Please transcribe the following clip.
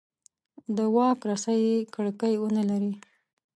د واک رسۍ یې کړکۍ ونه لري.